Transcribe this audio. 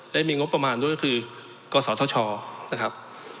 และมีงบประมาณด้วยก็คือกศธชนะครับ